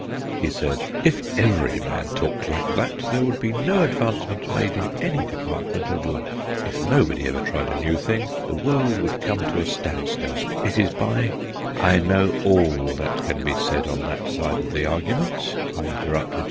He said: "If every man talked like that there would be no advancement made in any department of life. If nobody ever tried a new thing the world would come to a standstill. It is by " "I know all that can be said on that side of the argument," I interrupted.